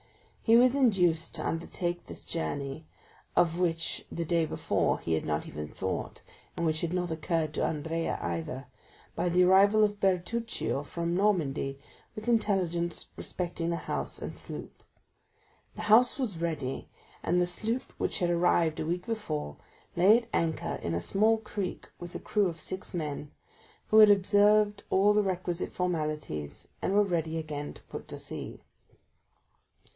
He was induced to undertake this journey, of which the day before he had not even thought and which had not occurred to Andrea either, by the arrival of Bertuccio from Normandy with intelligence respecting the house and sloop. The house was ready, and the sloop which had arrived a week before lay at anchor in a small creek with her crew of six men, who had observed all the requisite formalities and were ready again to put to sea.